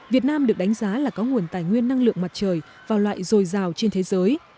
việt nam được đánh giá là có nguồn tài nguyên năng lượng mặt trời vào loại dồi dào trên thế giới